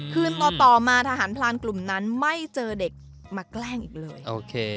คืนต่อมาทหารพลานกลุ่มนั้นไม่เจอเด็กมาแกล้งอีกเลย